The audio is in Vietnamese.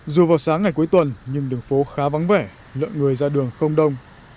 dù vào sáng ngày cuối tuần nhưng đường phố khá vắng vẻ lượng người ra đường không đông